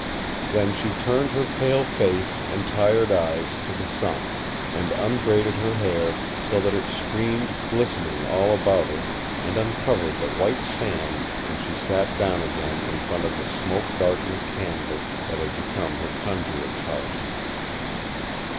Then she turned her pale face and tired eyes to the sun, and unbraided her hair so that it streamed glistening all about her and covered the white sand when she sat down again in front of the smoke darkened canvas that had become her conjurer's house.